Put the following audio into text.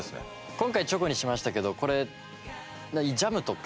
今回チョコにしましたけどこれ。